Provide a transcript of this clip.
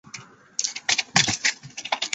丁福保之子。